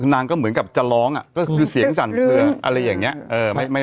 นางก็เหมือนกับจะร้องก็คือเสียงสั่นเคลืออะไรอย่างนี้